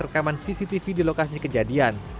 rekaman cctv di lokasi kejadian